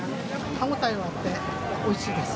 歯ごたえがあっておいしいです。